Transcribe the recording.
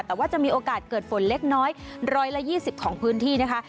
แต่ว่าจะมีโอกาสเกิดฝนเล็กน้อยร้อยละยี่สิบของพื้นที่นะคะ